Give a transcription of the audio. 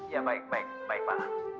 ya baik baik baik pak